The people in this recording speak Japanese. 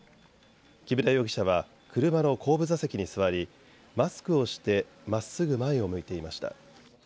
木村容疑者は車の後部座席に座りマスクをしてまっすぐ前を向いていました。